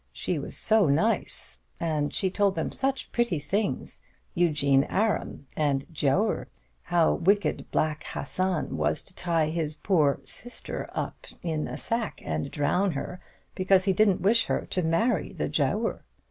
She was so nice, and she told them such pretty things: "Eugene Aram" and the "Giaour" how wicked Black Hassan was to tie his poor "sister" up in a sack and drown her, because he didn't wish her to marry the Giaour!